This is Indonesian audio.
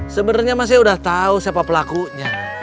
sebenernya masih udah tahu siapa pelakunya